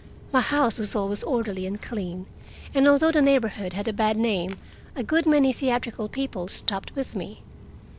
My house was always orderly and clean, and although the neighborhood had a bad name, a good many theatrical people stopped with me.